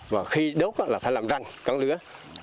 và khi đốt là phải làm răng cắn lửa